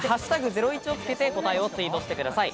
「＃ゼロイチ」をつけて答えをツイートしてください。